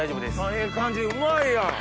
ええ感じうまいやん！